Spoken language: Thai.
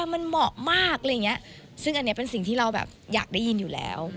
มันเหมาะมากซึ่งอันเนี้ยเป็นสิ่งที่เราแบบอยากได้ยินอยู่แล้ว